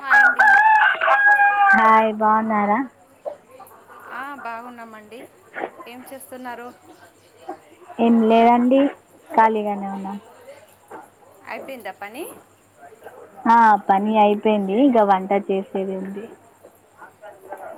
Hi అండి hi బాగున్నారా ఆ బాగున్నామండి ఏం చేస్తున్నారు ఏం లేదండి ఖాళీగానే ఉన్నాం ఆయిపోయిందా పని అ ఆ పని అయిపోయింది. ఇంకా వంట చేసేదెంది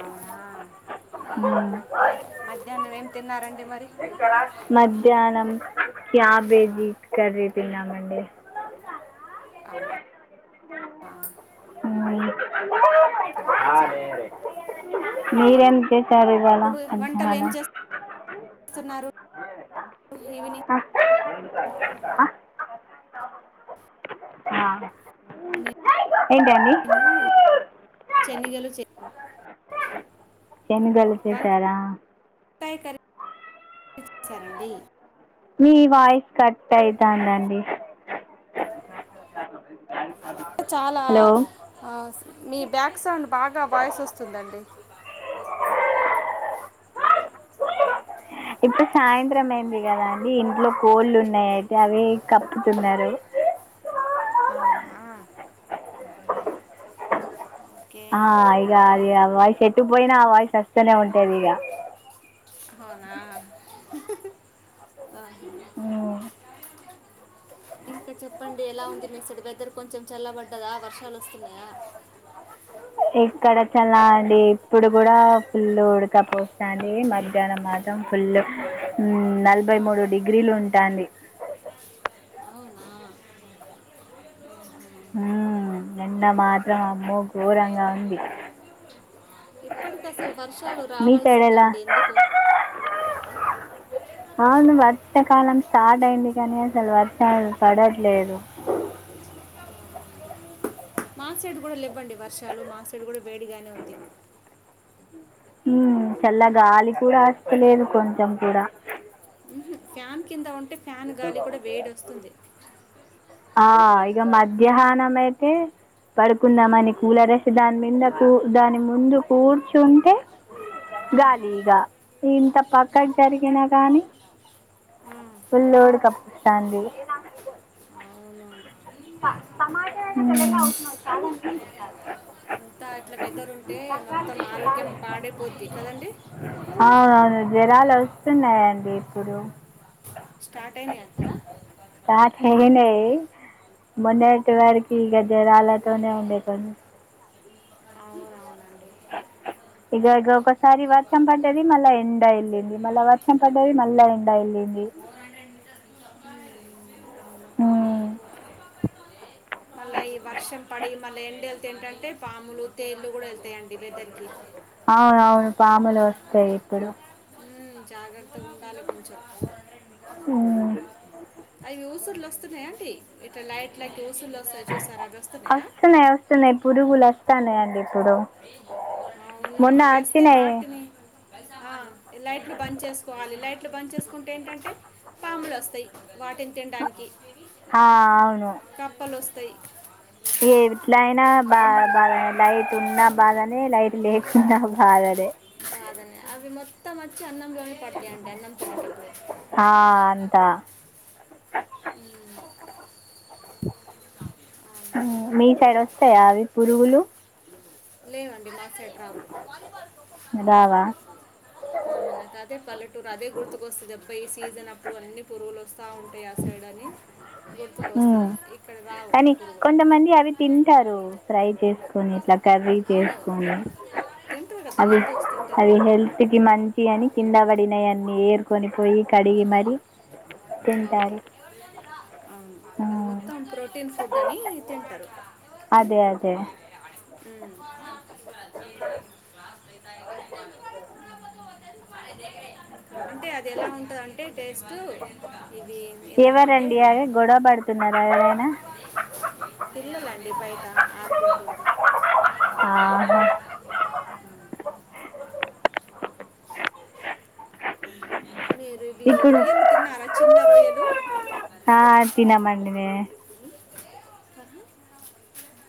అవునా మ్మ్. ఓకే మధ్యాహ్నం ఏం తిన్నారండి. మరి మధ్యాహ్నం క్యాబేజీ కర్రీ తిన్నమండి ఆ అ క్యాబేజా మరి మీరేం చేసారు ఇవాళ మధ్యాహ్నం స్తున్నారు. ఈవినింగ్ ఆ? ఆ. ఆ ఏంటిది అండి శనిగలు చె శనిగలు చేశారా స్థాయి కర చేసారండి మీ వాయిస్ కట్ అయితందండి హ్ అ చాలా మీ బ్యాక్ సౌండ్ బాగా వాయిస్ వస్తుందండి. ఇప్పుడు సాయంత్రం అయింది కదా అండి ఇంట్లో కోళ్ళు ఉన్నాయి అయితే అవి కప్పుతున్నారు. అవునా ఓకే ఆ ఇగా అది ఇక- ఆ వాయిస్ ఎటు పోయినా ఆ వాయిస్ వస్తనే ఉంటది. ఇగా ఆహా అ ఇంకా చెప్పండి ఎలా ఉంది మీక్సడు వెదర్ కొంచెం చల్లబడ్డదా వర్షాలు వస్తున్నాయా ఏక్కడ చాల్ల అండి ఇప్పుడు కూడా ఫుల్ ఉడకపోత కానీ మధ్యాహ్నం మాత్రం ఫుల్ నలభై ఆ, మూడు డిగ్రీలు ఉంటంది అవునా నిన్న మాత్రం అమ్మో ఘోరంగా ఉంది. అంత అసలు వర్షాలు మీ సైడ్ ఎలా రావాల్సిందండి. ఎందుకు అవును వర్షాకాలం స్టార్ట్ అయింది. కానీ అసలు వర్షాలు పడట్లేదు మాసెడ్ కూడా ఇవ్వండి వర్షాలు మాసైడ్ కూడా వేడిగానే ఉంది. ఉమ్ చల్ల గాలి కూడా వస్తలేదు కొంచెం కూడా న్ ఫ్యాన్ కింద ఉంటే ఫ్యాన్ గాలి కూడా వేడి వస్తుంది. ఆ ఇక మధ్యాహ్నం అయితే ఉమ్, పడుకుందాంమని కూలరేసి దాని మీద కూ దాని ముందు కూర్చుంటే ఉమ్. గాలి ఇగ ఇంత పక్కకు జరిగినా గానీ ఆ, ఫుల్ లోడు కన్పిస్తాంది. అవును మ్ టమాటా ఇంకా అట్లా వెదర్ ఉంటే మొత్తం ఆరోగ్యం పాడైపోద్ది కదండి అవునవును జ్వరాలు వస్తున్నాయండి ఇప్పుడు స్టార్ట్ అయినాయ అసలు టార్చ్ ఎయ్యలే మొన్నెటి వరకు ఇక జ్వరాలతోనే ఉండే కొన్ని అవునవును ఇగ ఇగ ఒకసారి వర్షం పడ్డది. మళ్ళా ఎండ వెల్ళింది మళ్ళా వర్షం పడ్డది మళ్ళా ఎండ వెల్ళింది. ఫోర్ హండ్రెడ్ మీటర్ తప్పాల మ్ మళ్ళా ఈ వర్షం పడి మళ్ళీ ఎండా వెళ్తా ఏంటంటే పాములు తేళ్లు కూడా వెళ్తాయండి వెదర్ కి అవును అవును పాములు వస్తాయి ఇప్పుడు. జాగ్రత్తగా ఉండాలి కొంచెం. ఉమ్. అవి ఊసుర్లు వస్తున్నాయా అంటీ, ఇలా లైట్ లైట్ ఊసుర్లు వస్తున్నాయా? వస్తాయి చూసారా అవి వస్తున్నాయి వస్తున్నాయి పురుగులు అస్తాయానయ అండి ఇప్పుడు. అవును మొన్న అవిస్తే వచ్చినాయి వాటిని లైట్లు బంద్ చేసుకోవాలి లైట్లు బంద్ చేసు కుంటే ఏంటంటే పాములు వస్తాయి వాటిని తినడానికి. ఆ అవును కప్పలు వస్తాయి ఎట్ల అయినా బా ఉండేలాగదు బాదనే లైట్ ఉన్నా బాధనే లైట్ లేకున్నా బాధనే కాదనే, అవి మొత్తం వచ్చి అన్నంలొనే పడతాయిండి అన్నం తినేటప్పుడు. ఆ అంతా మ్ అవును. మీ సైడ్ వస్తాయా అవి పురుగులు? లేవండి మా సైడ్ రావు. రావా ఆహా! నాకు అదే పల్లెటూరు అదే గుర్తుకొస్తుంది అబ్బా ఈ సీజన్ అప్పుడు అన్నీ పురుగులు వస్తా ఉంటాయి. అంటే యాసైడ్న రావు కానీ పురుగులు కొంతమంది అవి తింటారు ఫ్రై చేసికొని. కొని ఇట్లా కర్రీ అవును చేసుకొని తింటారు కదా అవి హిందూస్ తింటారు అవి హెల్త్ హెల్త్ కి మంచి అని కింద పడినయన్నీ ఏరుకొని పోయి కడిగి మరి అవును తింటారు అవును అది ఉమ్ మొత్తం ప్రోటీన్ ఫుడ్ అని తింటారు. అదే అదే మ్ అంటే అది ఎలా ఉంటాదంటే టేస్ట్ ఇది ఏలా అంటే ఎవరండి అదే గొడవ పడుతున్నారా ఎవరైనా పిల్లలండి బయట ఆడుకుంటుడ్రు ఆహ మీరు ఇవి ఇప్పుడు రొయ్యలు తిన్నారా, చిన్న రొయ్యలు? ఆ తినమండిమే ఆ,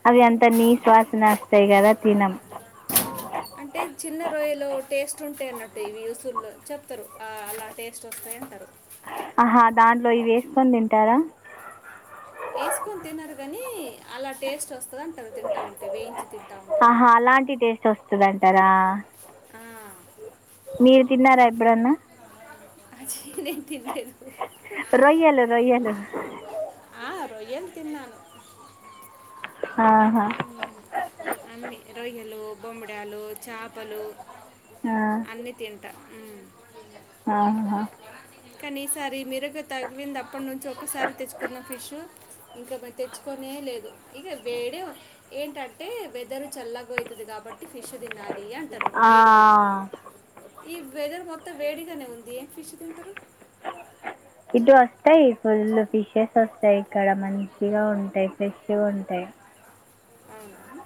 అవి అంతా నీచువాసన [unintelligible] ట్ అంటే చిన్నరొయ్యలు టేస్ట్ ఉంటాయి అన్నట్టు, ఇవి ఉసుర్లు చెప్తారు, అలా టేస్ట్ వస్తాయి అంటారు. ఆహా దాంట్లో ఇవి వేసుకొని తింటారా? వేసుకొని తినరు గాని, అలా టేస్ట్ వస్తది అంటారు తింటా ఉంటే, వేయించి తింటా ఉంటె. ఆహా అలాంటి టేస్ట్ వస్తుదంటారా? ఆ మీరు తిన్నారా ఎప్పుడన్నా? అది నేను తిన్లేదు రొయ్యలు రొయ్యలు ఆ రొయ్యలు తిన్నాను. ఆహా మ్మ్. అన్ని రొయ్యలు, బొమ్మిడాలు, చేపలు ఆ, అన్ని తింటా ఆహా కానీ ఈసారి మెరుగ తగిలింది, అప్పటినుంచి ఒక్కసారి తెచ్చుకున్న ఫిష్ ఇంకా మరి తెచ్చుకొనే లేదు ఇక వేడే ఏంటంటే వెదరు చల్లగావుతుది కాబట్టి ఫిష్ తినాలి. టీ అంటరు ఆ, వేడిగా ఈ వెదర్ మొత్తం వేడిగానే ఉంది, ఫిష్ తింటారు ఇటు వస్తాయి, ఫుల్ ఫిషెస్ వస్తాయి. ఇక్కడ మంచిగా ఉంటాయి, ఫ్రెష్గా ఉంటాయి. అవును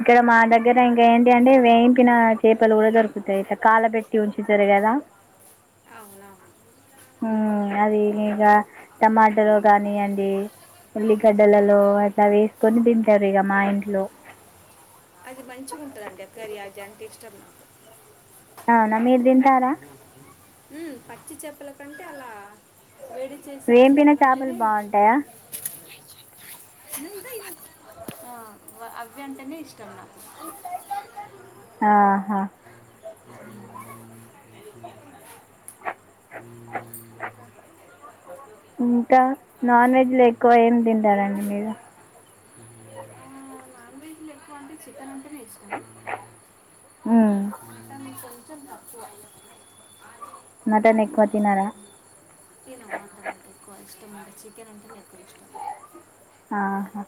ఇక్కడ మా దగ్గర ఇంకా ఏంటి అంటే వేయించిన చేపలు కూడా దొరుకుతాయి, ఇట్టా కాలబెట్టి ఉంచుతారు కదా. అవునా హు అదీనీగ టమా టలో కానియ్యండి, ఉమ్. ఉల్లిగడ్డలలో అట్లా వేసుకొని తింటారు ఇక మా ఇంట్లో అది మంచిగుంటదండి ఆ కర్రీ, అది అంటే ఇష్టం నాకు అవునా, మీరు తింటారా? ఊ పచ్చిచేపల కంటే అలా వేడి చేసిన వేంపిన చేపలు అంటేనే బాగుంటాయా ఆ అవ్వంటేనే ఇష్టం నాకు. ఆహా [inaudible] ఇంకా నాన్ వెజ్లో ఎక్కువ ఏం తింటారంండి మీరు? ఉమ్ నాన్ వెజ్లో ఎక్కువ అంటే చికేన్ అంటేనే ఇష్టం. ఉమ్ మటన్ కొంచెం తక్కువ మటన్ ఎక్కువ తినరా? మటన్ ఎక్కువ ఇష్టం ఉండదు, చికెన్ అంటేనే ఎక్కువ ఇష్టం. ఆహా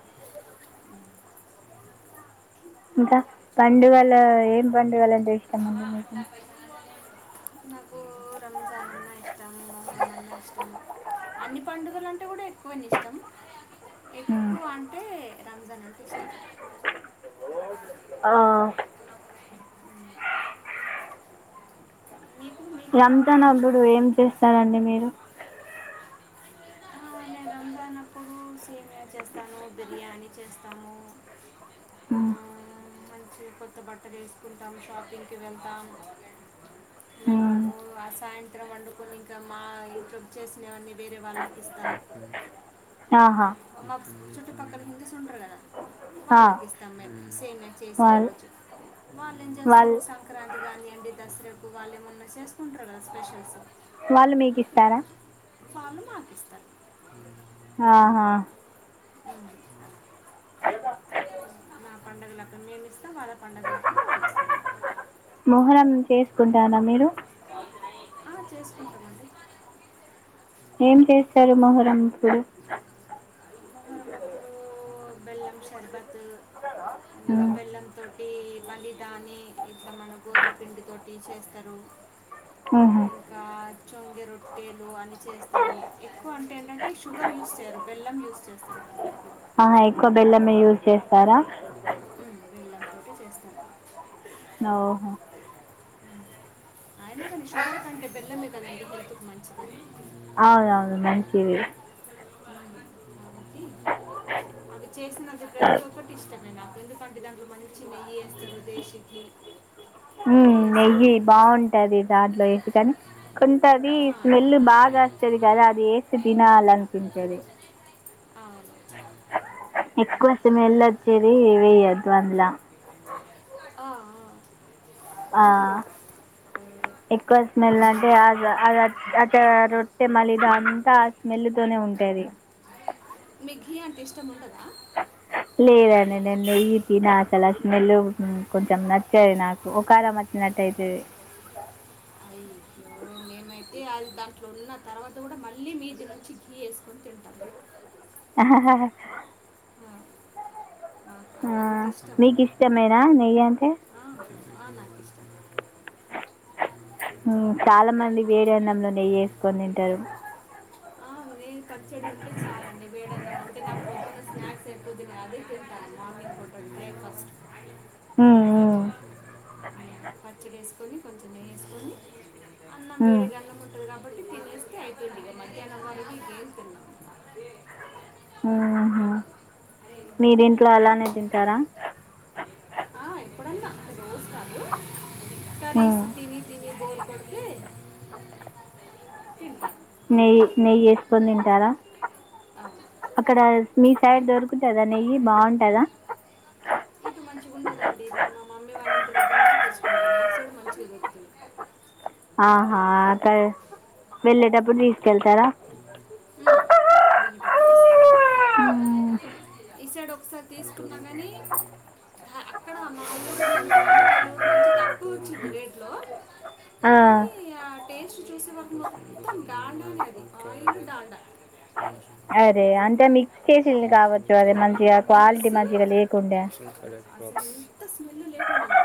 ఇంకా పండుగలో ఏం పండుగలు అంటే ఇష్టం అండి మీకు నాకు రంజాన్ అన్నా ఇష్టం మోహరమ్ అన్నా ఇష్టం అన్ని పండుగలంటే కూడా ఎక్కువని ఇష్టం మ్మ్. ఎక్కువ అంటే రంజాన్ అంటే ఇష్టం ఆ మీకు మీకు ఏ పండుగ రంజాన్ అంటే ఇష్టం అల్లుడు ఏం అండి చేస్తారండి మీరు ఆ నేను రంజానప్పుడు సేమియా చేస్తాను బిర్యానీ చేస్తాము అ ఆ మంచి కొత్త బట్టలు వేసుకుంటాం షాపింగ్కి వెళ్తాం మేము మ్మ్. ఆ సాయంత్రం వండుకొని ఇంక మా కుక్ చేసినవన్నీ వేరే వాళ్ళకి ఇస్తాం ఆహా ఆ, మా చుట్టుపక్కల హిందూస్ ఉంటారు కదా ఆ, వాళ్ళకి ఇస్తాం మేము సేమ్యా చేసి ఆ వాళ్ళు రోజు వాళ్ళు ఏం చేస్తారు వాళ్ళు సం సంక్రాంతి కానీయండి దసరకు వాళ్ళ ఏమన్నా చేసుకుంటారు కదా స్పెషల్స్ వాళ్ళు మీకు ఇస్తారా వాళ్లు మాకిస్తారు ఆహా మ్ అ నా పండుగలప్పుడు మేం ఇస్తాం వాళ్ళ పండుగలప్పుడు వాళ్లు ఇస్తారు మొహరం చేసుకుంటారా మీరు ఆ చేసుకుంటమండి ఏం చేస్తరు మొహరం అప్పుడు మొహరం అప్పుడు బెల్లం షర్బత్ ఇంకా మ్మ్. బెల్లం తోటి మళిదాని ఇట్లా మన గోధుమ పిండి తోటి చేస్తరు మ్ ఇంకా చొంగె రొట్టెలు అన్ని చేస్తరు ఎక్కువ అంటే ఏంటంటే షుగర్ యూస్ చేయరు బెల్లం యూజ్ చేస్తరు ఎక్కువ ఆ ఎక్కువ బెల్లమే యూజ్ చేస్తారా మ్ బెల్లం తోటే చేస్తారా నో హో అయినా కాని షుగర్ కంటే బెల్లమే కదండి హెల్త్కి మంచిది అవునవును మంచిది అవి చేసినది ప్రతి ఒక్కటి ఇష్టమే నాకు ఎందుకంటే దాంట్లో మంచి నెయ్యి ఏస్తరు దేశికిి మ్మ్ నెయ్యి బావుంటది దాంట్లో ఏసి కాని కొంతది ఆ, స్మెల్ బాగా వస్తది కదా అది ఏసి తినాల అవును ఎక్కువ స్మెల్ వచ్చేది వేయొద్దు అందుల అ ఆ ఆ ఎక్కువ స్మెల్ అంటే అద అదా అ రొట్టె మళ్ళి అంతా ఆ స్మెల్ తోనే ఉంటది మీకీ గీ అంటే ఇష్టం ఉండదా లేదండి నేను నెయ్యి తిన చాలా స్మెల్ కొంచెం నచ్చది నాకు ఒకారమొచ్ చినట్టైతది అయ్యో మేమైతే అది దాంట్లో ఉన్న తర్వాత కూడా మళ్ళీ మీది నుంచి ఘీ ఏసుకొని తింటాం. ఆహహ న ఆ నీకిష్టమేనా నెయ్యంటే ఆ ఆ నాకిష్టమే అఊ చాలా మంది వేడి అన్నంలో నెయ్యి ఏసుకొని తింటారు ఆ మేయిన్ పచ్చడి ఉంటే చాలండి వేడన్నం ఉంటే నా పొద్దున స్నాక్స్ ఎక్కువ తిన అదే తింటాను మార్నింగ్ పూట బ్రేక్ ఫాస్ట్. ఉమ్ పచ్చడేసుకోని కొంచెం నెయ్యేసుకొని. అన్నం ఉమ్ వేడిగా అన్నం ఉంటది కాబట్టి తినేస్తే అయిపోయిద్ది ఇగ మధ్యాహ్నం వరకు ఇంక ఏం తిన్ను. అక్కీ మీదింట్లో అలానే తింటారా ఆ ఎప్పుడన్నా అంటె రోజ్ కాదు కర్రీస్ ఉమ్ తిని తిని బోర్ కొడితే తింటాన్. నెయ్యి నెయ్యి ఏసుకొని తింటారా అవును అక్కడా మీ సైడ్ దొరుకుతదా నెయ్యి బావుంటదా. ఇటు మంచిగ ఉండదండి నేను మా మమ్మీ వాళ్ళ ఇంటి దగ్గర నుంచి తెచ్చుకుంటాను ఆ సైడ్ మంచిగ దొరుకుతది. ఆహా కదే వెళ్ళేటప్పుడు తీసుకెళ్తరా. ఊ వెళ్ళేటప్పుడు తీసుకెళ్తా. మ్మ్. ఈ సైడు ఒకసారి తీసుకున్నా కానీ ఆ అక్కడా మాఊరు మామమ్మి వాళ్ళ ఊరు నుంచి తక్కువొచ్చిద్ది రేట్ లో. ఆ కానీ ఆ టేస్ట్ చూస్తే మటుకు మొత్తం డాల్డా నే అది. ఆయిలు డాల్డా అరే అంటే మిక్స్ చేసింది కావచ్చు అది మంచిగా క్వాలిటీ మిక్సూ మంచిగా లేకుండే అసలు ఇంత స్మెల్లు లేకుంటదా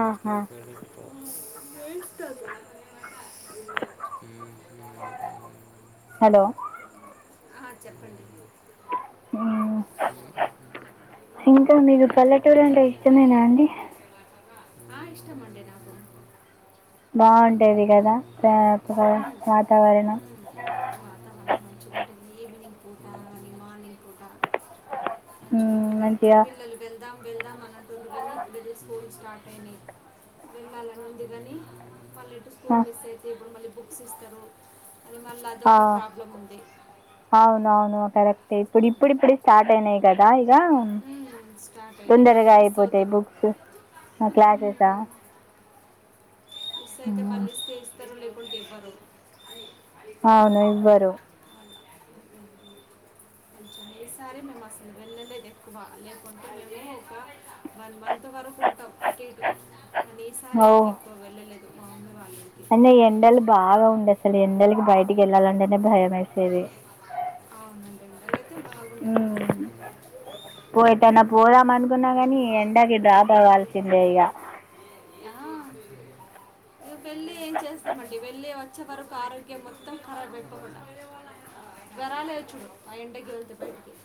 ఆహా అదీ ఉ హు హు హలో ఆహ చెప్పండి మ్మ్. అ ఇంకా మీకు పల్లెటూరు అంటే ఇష్టమేనా అండి ఆ ఇష్టమండి నాకు బాగుంటది ఉమ్. గదా [unintelligible] వాతావరణం ఉమ్. వాతావరణం మంచిగ ఉంటుంది ఈవినింగ్ పూటా కానీ మార్నింగ్ పూటా. మ్మ్, మంచిగుంటది మా మంచిగా పిల్లలు వెళ్దాం వెళ్దాం అని అంటుర్రు గానీ ఇప్పుడీల్ల స్కూల్ స్టార్ట్ అయినయ్. వెళ్లాలని ఉంది గానీ మళ్ళ ఇటు ఆ, స్కూల్ మిస్ అయితే ఇప్పుడు మళ్ళీ బుక్స్ ఇస్తరు. అది మళ్ళ అది ఆ, ఒక ప్రాబ్లం ఉంది అవునవును కరక్టే ఇప్పుడు ఇప్పుడు ఇప్పుడు స్టార్ట్ అయినయి కదా ఇగా. ఉమ్, స్టార్ట్ అయినాయి మళ్ళీ తొందరగా మిస్ అయిపోతయి అవుతారు బుక్స్ ఆ క్లాసెసా ఉమ్, మిస్ అయితే మళ్ళ ఇస్తే ఇస్తరు లేకుంటే ఇవ్వరు అవును ఇవ్వరు కొంచెం ఈసారే మేము అస్సలు వెళ్ళలేదు ఎక్కువా లేకుంటే మేమే ఒకా వన్ మంత్ వరకు ఉంటాం అటు ఇటు కానీ ఈసారే ఎక్కువ వెళ్ళలేదు మా అమ్మ వాళ్ళ ఇంటికి అయినా ఈ ఎండల్ బాగా ఉండే అస్సలు ఎండలకి బయటికి ఎళ్ళాలంటేనే భయం. వేసేది అవునండి ఎనగలేతే బాగుండే పోయేటన్న పోదాం అనుకున్నా కాని ఎండకి డ్రాప్ అవ్వాల్సిందే ఇక ఆ అ పెళ్లి ఏం చేస్తామండి వెళ్ళి వచ్చే వరకు ఆరోగ్యం మొత్తం ఖరాబ్ అయిపోకుండా దరవలేదు చూడు ఆ ఇంటి కేళ్తే బయటికి